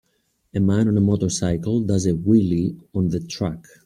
A man on a motorcycle does a wheelie on the track.